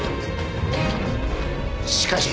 しかし。